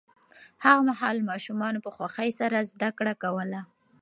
هغه مهال ماشومانو په خوښۍ سره زده کړه کوله.